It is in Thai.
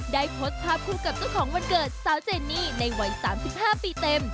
ได้โพสต์ภาพคู่กับเจ้าของวันเกิดสาวเจนี่ในวัย๓๕ปีเต็ม